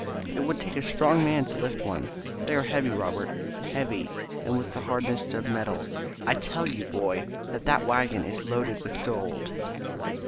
It would take a strong man to lift one. They are heavy, Robert, heavy, and hard with the hardness of metal. I tell you, boy, that that waggon is loaded with gold."